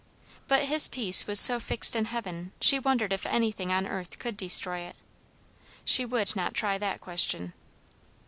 But his peace was so fixed in heaven, she wondered if anything on earth could destroy it? She would not try that question.